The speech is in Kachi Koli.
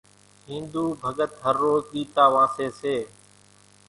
ۿينۮُو ڀڳت هروز ڳيتا وانسيَ سي۔